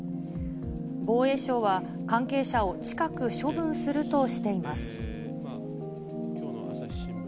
防衛省は、関係者を近く処分するとしています。